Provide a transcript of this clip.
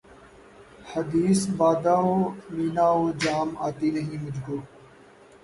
حدیث بادہ و مینا و جام آتی نہیں مجھ کو